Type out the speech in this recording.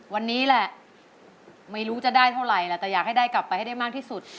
วันนี้แหละไม่รู้จะได้เท่าไหร่แหละแต่อยากให้ได้กลับไปให้ได้มากที่สุด